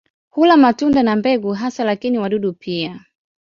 Hula matunda na mbegu hasa, lakini wadudu pia.